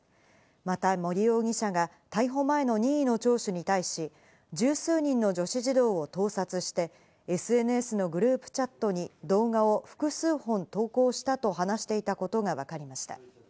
また森容疑者が逮捕前の任意の聴取に対し、十数人の女子児童を盗撮してＳＮＳのグループチャットに動画を複数本投稿したと話していたことがわかりました。